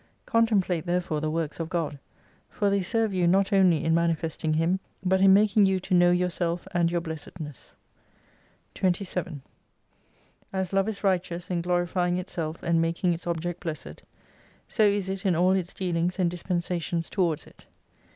Contemplate therefore the works of God, for they serve you not only in mani festing Him, but in making you to know yourself and your blessedness. 27 As Love is righteous m glorifying itself and makmgits object blessed : so is it in all its dealings and dispensa tions towards it.